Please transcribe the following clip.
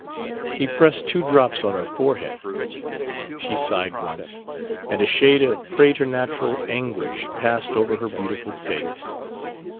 He pressed two drops on her forehead, she sighed once, and a shade of præternatural anguish passed over her beautiful face.